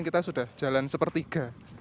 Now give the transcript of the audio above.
kita sudah jalan sepertiga